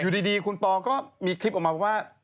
อยู่ดีคุณปอก็มีคลิปออกมาว่า